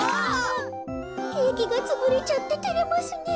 ケーキがつぶれちゃっててれますねえ。